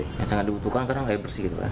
yang sangat dibutuhkan sekarang air bersih